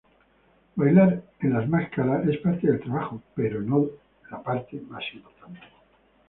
Bailar en las máscaras es parte del trabajo, pero no la parte más importante.